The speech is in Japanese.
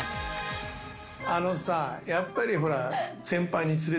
あのさやっぱり。